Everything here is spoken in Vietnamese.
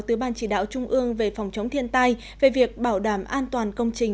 từ ban chỉ đạo trung ương về phòng chống thiên tai về việc bảo đảm an toàn công trình